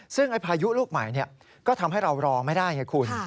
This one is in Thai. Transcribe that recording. ซึ่งพายุลูกใหม่ก็ทำให้เรารอไม่ได้ไงคุณ